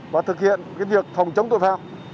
và thực hiện việc phòng chống tội phạm